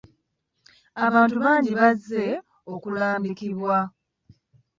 Abantu bangi bazze okulambikibwa.